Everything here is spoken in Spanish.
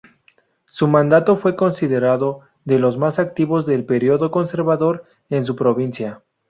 Su mandato fue considerado de los más activos del período conservador en su provincia.